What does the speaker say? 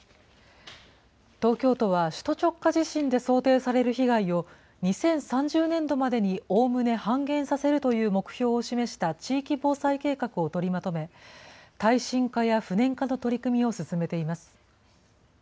東京都は首都直下地震で想定される被害を、２０３０年度までにおおむね半減させるという目標を示した地域防災計画を取りまとめ、耐震化や不燃化の取り組みを進めています。